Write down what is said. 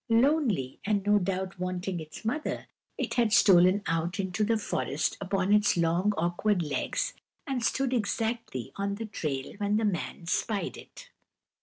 Lonely, and no doubt wanting its mother, it had stolen out into the forest upon its long awkward legs, and stood exactly on the trail when the man spied it.